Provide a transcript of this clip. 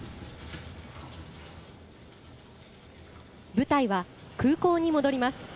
舞台は空港に戻ります。